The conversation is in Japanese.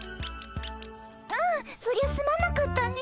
ああそりゃすまなかったね。